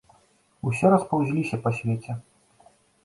Усе распаўзліся па свеце.